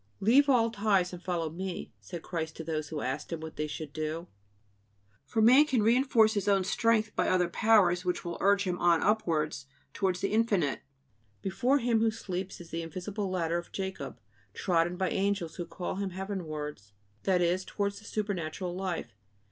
"Leave all ties and follow Me," said Christ to those who asked Him what they should do. For man can reinforce his own strength by other powers which will urge him on upwards towards the infinite; before him who sleeps is the invisible ladder of Jacob, trodden by angels who call him heavenwards, that is, towards the supernatural life.